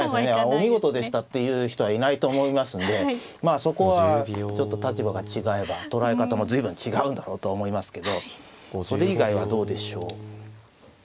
お見事でしたって言う人はいないと思いますんでまあそこはちょっと立場が違えば捉え方も随分違うんだろうと思いますけどそれ以外はどうでしょう。